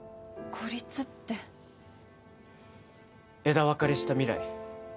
孤立って枝分かれした未来